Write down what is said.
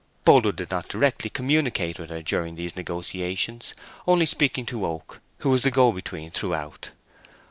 Boldwood did not directly communicate with her during these negotiations, only speaking to Oak, who was the go between throughout.